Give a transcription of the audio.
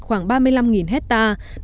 khoảng ba mươi năm hectare